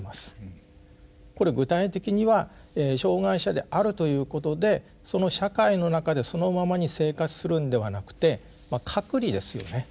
これ具体的には障害者であるということでその社会の中でそのままに生活するんではなくて隔離ですよね。